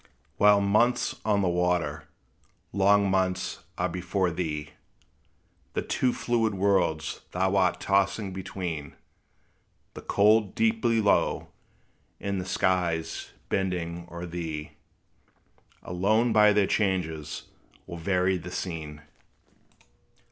While months on the waters, long months are before thee, The two fluid worlds thou art tossing between The cold deep below, and the skies bending o'er thee, Alone by their changes will vary the scene.